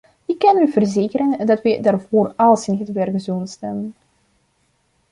Ik kan u verzekeren dat wij daarvoor alles in het werk zullen stellen.